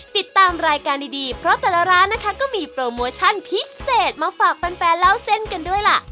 ติดตามรายการดีเพราะแต่ละร้านนะคะก็มีโปรโมชั่นพิเศษมาฝากแฟนเล่าเส้นกันด้วยล่ะ